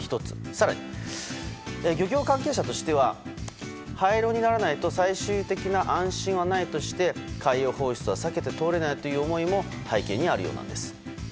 更に、漁業関係者としては廃炉にならないと最終的な安心はないとして海洋放出は避けて通れないという思いも背景にあるようなんです。